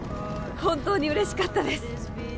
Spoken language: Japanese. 本当に嬉しかったです